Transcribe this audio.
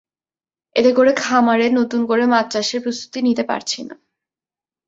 এতে করে খামারে নতুন করে মাছ চাষের প্রস্তুতি নিতে পারছি না।